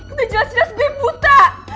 udah jelas jelas gue buta